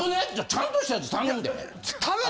ちゃんとしたやつ頼むで。